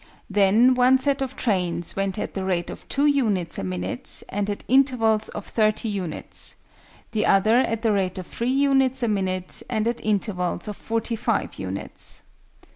Then one set of trains went at the rate of 2 units a minute and at intervals of 30 units; the other at the rate of 3 units a minute and at intervals of 45 units.